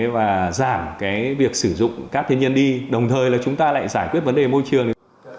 và giảm cái việc sử dụng các thiên nhiên đi đồng thời là chúng ta lại giải quyết vấn đề môi trường